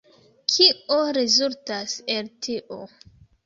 Kio rezultas el tio?